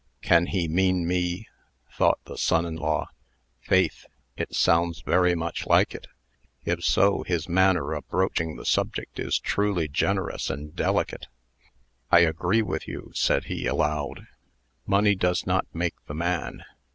"Can he mean me?" thought the son in law. "Faith! it sounds very much like it. If so, his manner of broaching the subject is truly generous and delicate." "I agree with you," said he, aloud. "Money does not make the man."